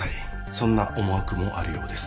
そんな思惑もあるようです。